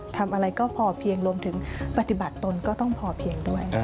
ทำอะไรก็พอเพียงรวมถึงปฏิบัติตนก็ต้องพอเพียงด้วย